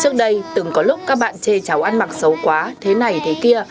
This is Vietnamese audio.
trước đây từng có lúc các bạn chê cháu ăn mặc xấu quá thế này thế kia